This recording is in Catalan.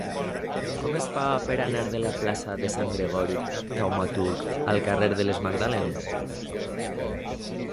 Com es fa per anar de la plaça de Sant Gregori Taumaturg al carrer de les Magdalenes?